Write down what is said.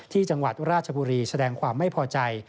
ที่จังหวัดราชบุรีแสดงความไม่พอใจ